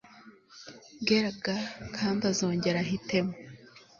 bwera g kandi azongera ahitemo